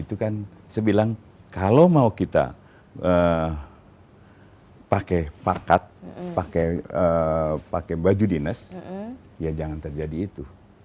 itu kan saya bilang kalau mau kita pakai parkat pakai baju dinas ya jangan terjadi itu